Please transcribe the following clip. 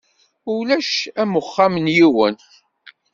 Ulac am uxxam n yiwen.